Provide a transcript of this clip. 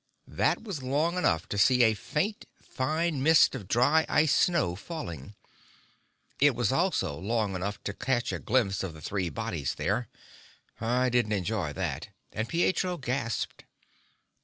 That was long enough to see a faint, fine mist of dry ice snow falling. It was also long enough to catch a sight of the three bodies there. I didn't enjoy that, and Pietro gasped.